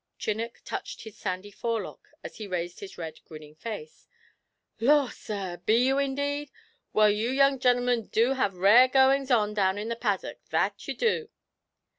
Chinnock touched a sandy forelock, as he raised his red grinning face. 'Lor', sir, be you indeed? Well, you young genl'men du have rare goings on down in the paddock, that you du.'